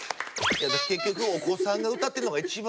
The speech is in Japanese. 結局お子さんが歌ってるのが一番。